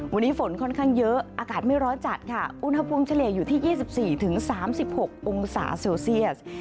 วันนี้ฝนค่อนข้างเยอะอากาศไม่ร้อนจัดค่ะอุณหภูมิเฉลี่ยอยู่ที่๒๔๓๖องศาเซลเซียส